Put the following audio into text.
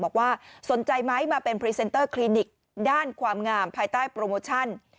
บอกว่าสนใจไหมมาเป็นพรีเซนเตอร์คลินิกด้านความงามภายใต้โปรโมชั่น